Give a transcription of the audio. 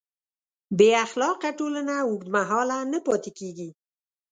بېاخلاقه ټولنه اوږدمهاله نه پاتې کېږي.